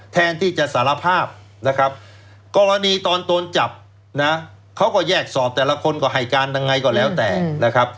แทนที่จะสารภาพนะครับกรณีตอนโดนจับนะเขาก็แยกสอบแต่ละคนก็ให้การยังไงก็แล้วแต่นะครับ